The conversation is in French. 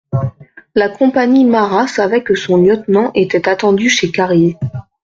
La compagnie Marat savait que son lieutenant était attendu chez Carrier.